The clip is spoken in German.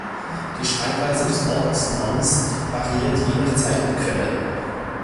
Die Schreibweise des Ortsnamens variiert je nach Zeit und Quelle.